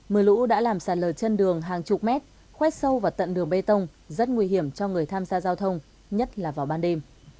mưa lũ đã làm sạt lở chân đường hàng chục mét khoét sâu vào tận đường bê tông rất nguy hiểm cho người tham gia giao thông nhất là vào ban đêm